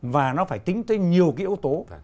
và nó phải tính tới nhiều cái yếu tố